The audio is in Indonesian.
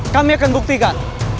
kami akan buktikan